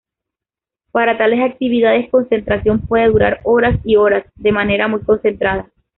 Para tales actividades, concentración puede durar horas y horas, de manera muy concentrada.